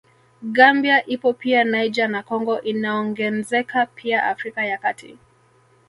Gambia ipo pia Niger na Congo inaongenzeka pia Afrika ya Kati